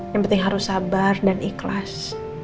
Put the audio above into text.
yang penting harus sabar dan ikhlas